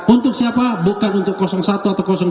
untuk siapa bukan untuk satu atau dua